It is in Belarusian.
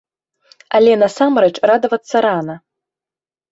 Але насамрэч радавацца рана.